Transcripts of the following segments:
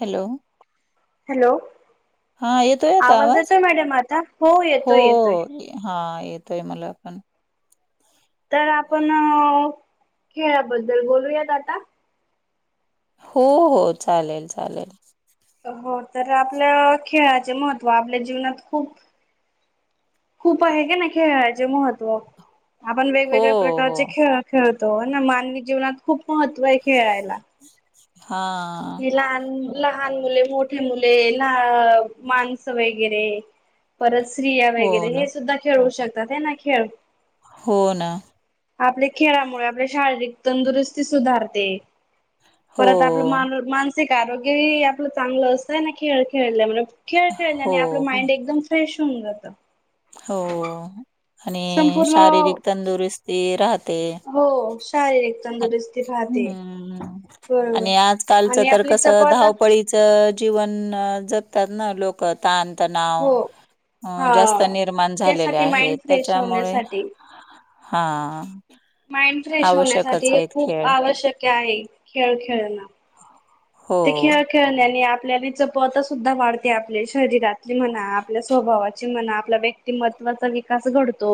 Hello! Hello हा येतोय आता आवाज, येतोय मॅडम आता हो. येतोय येतोय हा, येतोय मला पण. तर आपण, खेळाबद्दल बोलूयात आता. हो हो चालेल चालेल. हो तर आपल्या, खेळाचे महत्त्व आपल्या जीवनात खूप.. खूप आहे का नाही खेळाचे महत्त्व. आपण हो वेगवेगळ्या हो प्रकारचे खेळ खेळतो, ना मानवी जीवनात खूप महत्त्व आहे खेळाला. हां. हे लहान लहान मुले, मोठे मुले ल माणसं वगैरे परत स्त्रिया हो वगैरे, ना हे सुद्धा खेळू शकतात हे ना खेळ. हो ना. आपल्या खेळामुळे आपली शारीरिक तंदुरुस्ती सुधारते. हो परत आपलं मान मानसिक आरोग्यही आपलं चांगलं असतंय ना, खेळ खेळल्यामुळं. खेळ हो खेळल्याने आपलं हो माइंड एकदम फ्रेश होऊन जातं. हो, आणि संपूर्ण शारीरिक तंदुरुस्ती राहते. हो. शारीरिक तंदुरुस्ती राहते हम्म, आणि बरोबर आजकालचं आणि तर आपली कसं चपळता धावपळी च जीवन जगतात ना लोकं तान तणाव हो अ हा जास्त निर्माण झालेले त्यासाठी आहे माइंड फ्रेश त्याच्यामुळे, होण्यासाठी हा माइंड फ्रेश होण्यासाठी आवश्यकच हे आहेत खूप खेळ आवश्यक आहे, खेळ खेळणं ते हो, खेळ खेळण्याने आपल्या चपळता सुद्धा वाढते आपल्या शरीरातली मना, आपल्या स्वभावाची मना, आपल्या व्य व्यक्तिमत्त्वाचा विकास घडतो.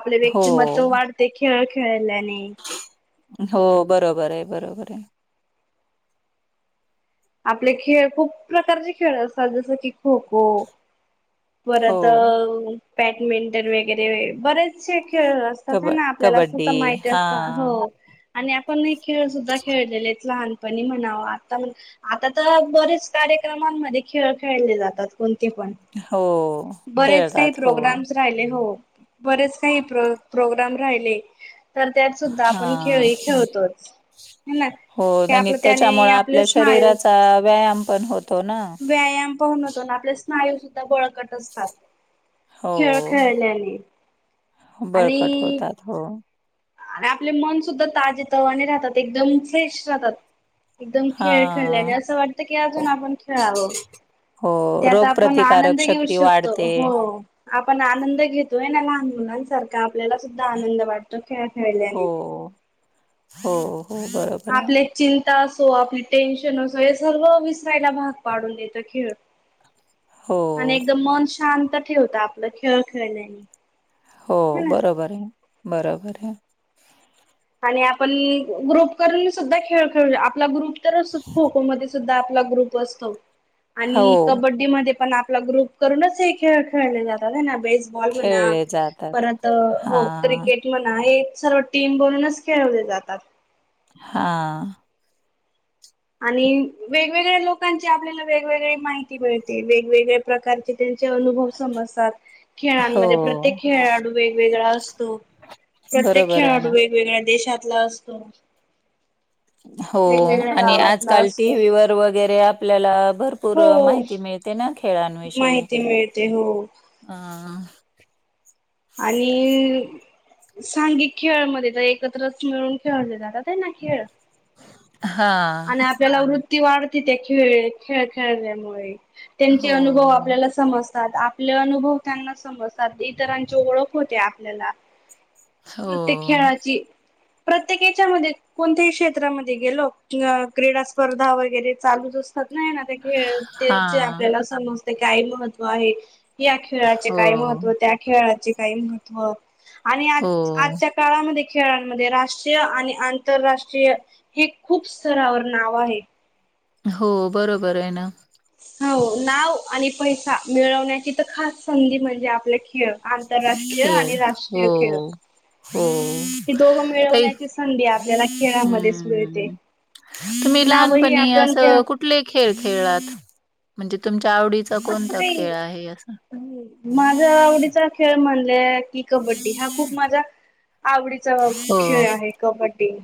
आपले हो, व्यक्तिमत्व वाढते खेळ खेळल्याने. हो बरोबर आहे, बरोबर आहे. आपले खेळ, खूप प्रकारचे खेळ असतात. जसं की खो खो. हो, परत बॅडमिंटन वगैरे, बरेचसे खेळ अस कब तसं ना आपल्याला कबड्डी सुधा माहिती असतं, हो हां, आणि आपण हे खेळ सुद्धा खेळलेले आहेत लहानपणी म्हणा, व आता आता तर बरेच कार्यक्रमांमध्ये खेळ खेळले जातात कोणते पण. हो. बरेच काही खेळतात हो. प्रोग्राम राहिले, हो बरेच काही प्र प्रोग्राम राहिले. तर त्यात सुद्धा आपण खेळ हां, हे खेळतोच. ह ना हो की आणि आपलं त्याने त्याच्यामुळं आपले आपल्या स्नायू शरीराचा व्यायाम पण होतो ना. व्यायाम पाहून होतो ना, आपले स्नायू सुद्धा बळकट असतात. हो, खेळ खेळल्याने बळकट होतात हो. आणि आपले मन सुुद्धा ताजे तवाने राहतात, एकदम फ्रेश राहतात. एकदम खेळ हां, खेळल्याने, असं वाटतं की अजून आपण खेळावं. हो त्यात आपण रोगप्रतिकारक आनंद घेऊ शक्ती शकतो, वाढते. हो आपण आनंद घेतोय ना लहान मुलांसारखा, आपल्याला सुद्धा आनंद वाटतो खेळ खेळल्याने. हो हो हो, बरोबर आहे. आपले चिंता असो, आपली टेन्शन असो, हे सर्व विसरायला भाग पाडून देतो खेळ. हो, आणि एकदम मन शांत ठेवत आपलं खेळ खेळल्याने. हो, ह ना बरोबर आहे. बरोबर आहे. आणि आपण ग्रुप करून सुद्धा खेळ खेळूया, आपला ग्रुप तर असतो खो-खो मध्ये. सुद्धा आपला ग्रुप असतो हो, आणि कबड्डी मध्ये पण आपला ग्रुप करूनच हे खेळ खेळले जातात, आहे ना? बेसबॉल म्हणा, खेळले जातात. परत हो हां, क्रिकेट म्हणा हे सर्व टीम बोलूनच खेळवले जातात. हा आणि वेगवेगळ्या लोकांची आपल्याला वेगवेगळी माहिती मिळते, वेगवेगळ्या प्रकारचे त्यांचे अनुभव समजतात, हो खेळांमध्ये प्रत्येक खेळाडू वेगवेगळा असतो. प्रत्येक बरोबर आहे खेळाडू ना वेगवेगळ्या देशातला असतो. हो, वेगवेगळ्या आणि गावातला आजकाल असतो टीव्हीवर वगैरे आपल्याला भरपूर हो पूर् माहिती मिळते ना खेळांविषयी माहिती मिळते हो अ आणि सांघिक खेळ मध्ये तर एकत्रच मिळून खेळले जातात आहे ना खेळ! हा त्याला वृत्ती वाढते, त्या खेळ- खेळ खेळण्यामुळे त्यांचे हो अनुभव आपल्याला समजतात, आपले अनुभव त्यांना समजतात इतरां ओळख होते, आपल्याला हो प्रत्येक खेळाची प्रत्येक ह्याच्या मध्ये कोणत्याही क्षेत्रामध्ये गेलो, क्रीडा स्पर्धा वगैरे चालूच असत. नाही ना, ते हा खेळचे आपल्याला समजते काय महत्त्व आहे. या खेळाचे हो काही महत्त्व, त्या खेळाचे काही महत्त्व आणि आ हो काळामध्ये, खेळांमध्ये राष्ट्रीय आणि आंतरराष्ट्रीय हे खूप स्तरांवर नाव आहे. हो, बरोबर आहे ना. हो, नाव आणि पैसा मिळवण्याची तर खास संधी म्हणजे आपले खेळ आंतरराष्ट्रीय खेळ आणि हो राष्ट्रीय खेळ. हो हे दोघं ताई मिळवण्याची संधी आपल्याला खेळामध्येच मिळते. हम्म तुम्ही नावही लहानपणी अस आपण खेळ कुठले खेळ खेळला, म्हणजे तुमच्या आवडीच? असं काही, माझ्या आवडीचा खेळ म्हणजे की. कबड्डी हा खूप माझा आवडीचा हो खेळ आहे, कबड्डी.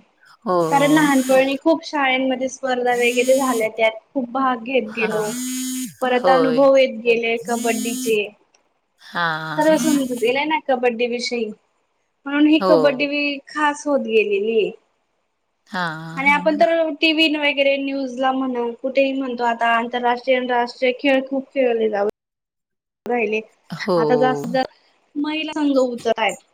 हो कारण लहानपणी खूप शाळेमध्ये स्पर्धा वगैरे झाल्या, त्यात खूप भाग घेत हा गेलो. परत होय अनुभव येत गेले, कबड्डीचे. हा सर्व हा समजतलंय ना, कबड्डी विषयी, म्हणून ही हो. कबड्डी. खास होत गेलेली. हां, आणि हां. आपण हां. तर. टी व्ही वगैरे न्यूज ला म्हण कुठेही म्हणतो, आता आंतरराष्ट्रीय, राष्ट्रीय खेळ खूप खेळले जा. राहिले हो, आता जास्त जर महिला संघ उतरत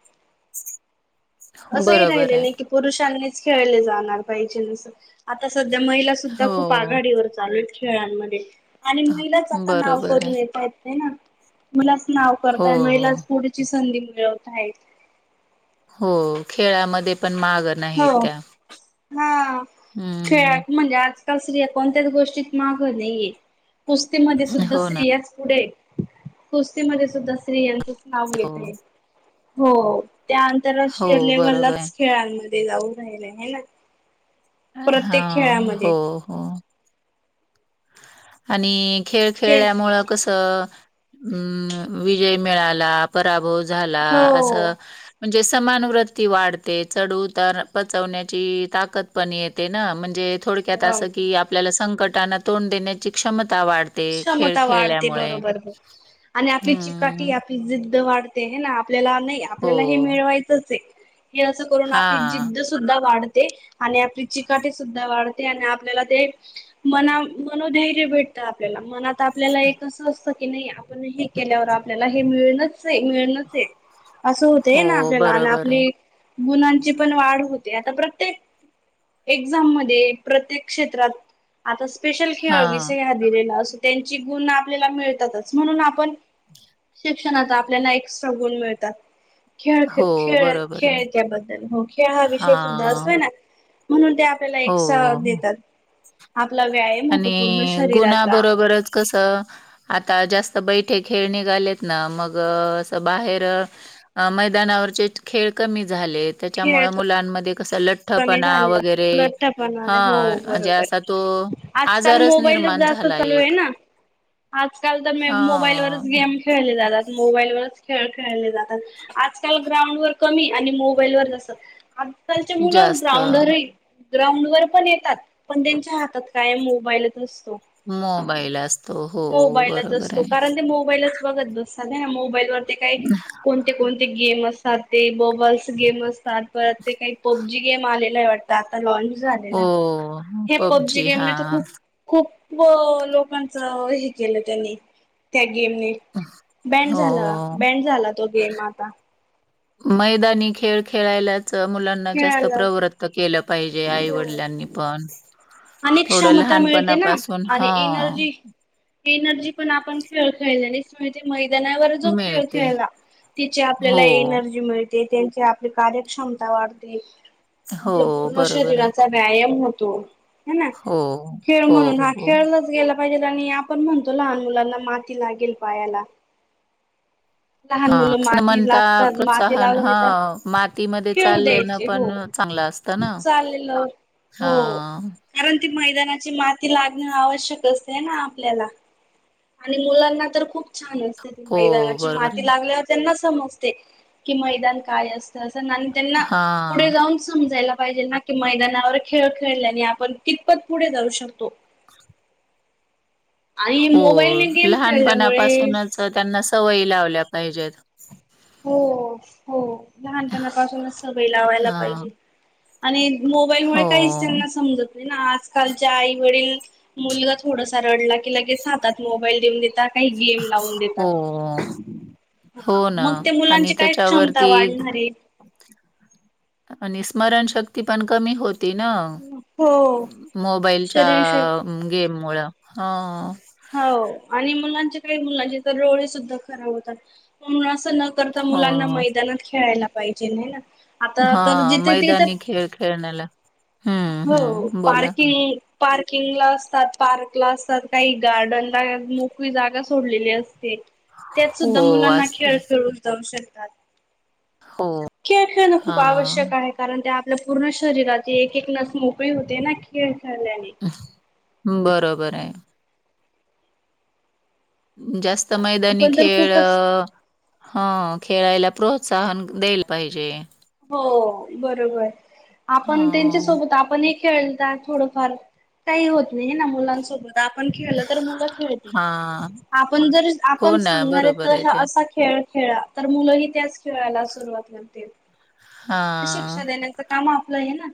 असं हे बरोबर राहिले आहे. नाही की, पुरुषांनीच खेळले जाणार पाहिजेस आता सध्या महिला. सुद्धा हो. खूप आघाडीवर चालु येत खेळांमध्ये. आणि महिलाच आता नाव बरोबर आहे. करून येता येत ना मुलाच नाव हो, करताय हो. महिलाच पुढं. ची संधी मिळवत आहेत हो खेळामध्ये पण माग. हो हा हं, खेळात म्हणजे आज आता स्त्रिया कोणत्याच गोष्टीत माग नाहीये कुस्तीमध्ये सुद्धा हो ना. स्त्रियाच पुढे आहेत. कुस्तीमध्ये सुद्धा स्त्रियांचंच नाव हो, येत आहे. हो त्या हो, आंतरराष्ट्रीय बरोबर आहे. लेवललाच खेळांमध्ये जाऊ राहिल्या हे ना हा प्रत्येक खेळामध्ये हो हो आणि खेळ खे खेळल्यामुळं कसं अं विजय मिळाला. पराभव झाला असं हो. म्हणजे समानवृत्ती वाढते चढ उतार पचवण्याची ताकद पण येते ना म्हणजे थोडक्यात असं की आपल्याला संकटांना तोंड देण्याची क्षमता वाढते खेळ क्षमता वाढते खेळल्यामुळे बरोबर आणि आपली चिकाटी हम्म आपली जिद्द वाढते हे ना आपल्याला नाही आपल्याला हे हो. मिळवायचंच आहे. हे असं करून आपली हां. जिद्द सुद्धा वाढते आणि आपली चिकाटी सुद्धा वाढते आणि आपल्याला ते मना मनोधैर्य भेटतं आपल्याला मनात आपल्याला एक असं असतं की नाही आपण हे केल्यावर आपल्याला हे मिळणच आहे मिळणच आहे असं होतय हे ना हो, आपल्याला आणि बरोबर आहे. आपली गुणांची पण वाढ होते आता प्रत्ये एक्झाम मध्ये प्रत्येक क्षेत्रात आता स्पेशल खेळ हां. विषय दिलेला असतो त्यांची गुण आपल्याला मिळतातच म्हणून आपण शिक्षणाचा आपल्याला एक्स्ट्रा गुण मिळतात. खेळ ख हो, खेळ बरोबर आहे. खेळच्याबद्दल हो खेळ हा विषय सुद्धा हां. असतोय ना म्हणून ते आपल्याला एक्सट्रा हो. देतात आपला व्यायाम होतो पूर्ण श गुणा बरोबरच कसं आता जास्त बैठे खेळ निघालेत ना मग असं बाहेर मैदानावरचे खेळ कमी झाले खेळ त्याच्यामुळे मुलांमध्ये कस लठ कमी झालेत लठ्ठपणा हो हां, म्हणजे बरोबर असा तो आजकाल आजारच मोबाईलच निर्माण जास्त झाला चालू आहे एक. ना आजकाल तर म मोबाईलवरच हां, गेम खेळले जातात मोबाईलवरच खेळ खेळले जातात. आजकाल ग्राउंडवर कमी आणि मोबाईलवर जास्त आजकालचे मुलं जास्त ग्राउंडरही ग्राउंड वर पण येतात पण त्यांच्या हातात कायम मोबाईलच असतो. मोबाईल असतो. हो, मोबाईलच बरोबर असतो आहे. कारण ते मोबाईलच बघत बसता मोबाईल वर ते काही. कोणते कोणते गेम असतात ते बबल्स गेम असतात परत ते काही पबजी गेम आलेला आहे वाटत आता लॉन्च हो, झालेला हे पबजी गेमने त हां, खूप खूप लोकांचं हे केलं त्यांनी त्या गेमने बॅन झाला हो. बॅन झाला तो गेम आता मैदानी खेळ खेळायलाच मुलांना जास्त खेळायला प्रवृत्त केलं. पाहिजे आई वडिलांनी पण अनेक थोडं क्षमता मिळते ना लहानपणापासून आणि हां, एनर्जी एनर्जी पण आपण खेळ खेळल्याने मैदानावर जो खेळ मिळते. खेळला तिची हो, आपल्याला एनर्जी मिळते. ते त्यांची आपली कार्यक्षमता वाढते हो आपलं पूर्ण बरोबर आहे. शरीराचा व्यायाम होतो ह ना हो, खेळ हो, म्हणून हा हो. खेळलाच गेला पाहिजे आणि आपण म्हणतो लहान मुलांना माती लागेल पायाला हा लहान मुलं माती म्हणता लागतात माती प्रोत्साहन ह लागून येतात मातीमध्ये चालले ना पण चांगला स चाललेलो, हो. कारण ती मैदानाची माती लागणं आवश्यक असते ना आपल्याला. आणि मुलांना तर खूप छान असते, ती हो, मैदानाची बरोबर माती आहे. लागल्यावर, त्यांना समजते, की मैदान काय असतं. असं नाही, त्यांना पुढे हां, जाऊन समजायला पाहिजे ना की मैदानावर खेळ खेळल्याने, आपण कितपत पुढे जाऊ शकतो. आई, हो, मोबाइलने गेम खेळल्यामुळे लहानपणापासूनच त्यांना सवयी लावल्या पाहिजेत. हो हो, लहानपणापासूनच सवय लावायला हां, पाहिजे. आणि मोबाईलमुळे हो, काहीच त्यांना समजत नाही ना, आजकालच्या आई वडील मुलगा थोडासा रडला की लगेच हातात मोबाईल देऊन देतात. काही गेम लावून देतात. हो. हो हा! ना मग त्या आणि मुलांची काय क्षमता त्याच्यावरती वाढणारेयं? आणि स्मरणशक्ती पण कमी होत तीनं? हो. मोबाईलच्या शरीरशक गेम मुळं, हां हो आणि मुलांच्या, काही मुलांची तर डोळी सुद्धा खराब होतात म्हणून असं न करता हो. मुलांना मैदानात खेळायला पाहिजेन है ना? आता तर हा, जिथे तिथे मैदानी खेळ खेळण्याला हं, हो, हं. बोला. पारकी पार्किंगला असतात, पार्कला असतात, काही गार्डनला मोकळी जागा सोडलेली असते. त्यात हो, सुद्धा मुलांना खेळ असते. खेळून जाऊ शकतात. हो! खेळ खेळणं खूप आवश्यक हां, आहे. कारण त्या आपल्या पूर्ण शरीरात, एक एक नस मोकळी होते ना खेळ खेळल्याने. बरोबरयं. जास्त मैदानी आपण तर खेळ खूपच हा, खेळायला प्रोत्साहन देयला पाहिजे. हो, बरोबर. आपण, त्यांच्या हं, सोबत आपण एक खेळता थोडंफार, काही होत नाही है ना मुलांसोबत. आपण खेळलं तर मुलं खेळतील. हां. आपण जर हो आपण ना, सांगणारे बरोबर आहे तर ते. असा खेळ खेळा तर मुलंही त्याच खेळाला सुरुवात करतील हां, शिक्षा देण्याचं काम आपलं आहे ना.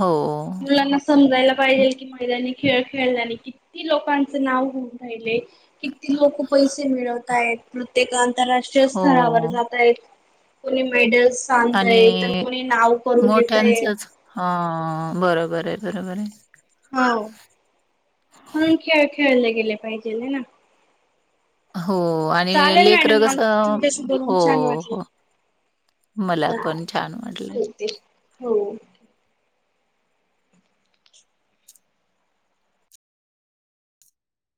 हो. मुलांना समजायला पाहिजेल की, मैदानी खेळ खेळल्याने कित्ती लोकांचं नाव होऊन राहिलंय. कि त्ती लोकं पैसे मिळवतायत, प्रत्येक आंतरराष्ट्रीय हो स्तरावर जातायत. कुणी मेडल्स आणतंय तर आणि कुणी नाव करून येतंय. मोठ्यांचच हा, बरोबरंय, बरोबरंय. हाव. म्हणून खेळ खेळले गेले पाहिजे. है ना? हो आणि चालेल मॅडम लेकरं मग कसं, तुमच्याशी बोलून हो छान वाटले. हो. मला पण चालेल छान वाटलं. ठेवते हो.